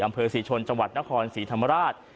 อำเภอศรีชนจนครศรีธรรมราช